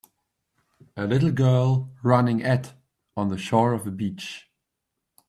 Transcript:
A little girl running at on the shore of a beach.